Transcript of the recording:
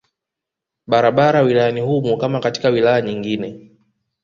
Barabara wilayani humo kama katika wilaya nyingine